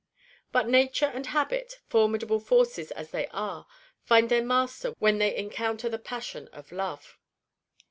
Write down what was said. But nature and habit, formidable forces as they are, find their master when they encounter the passion of Love.